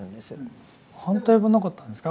反対はなかったんですか？